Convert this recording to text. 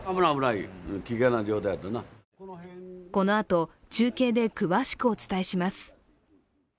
このあと、中継で詳しくお伝えします。